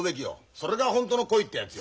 それがホントの恋ってやつよ。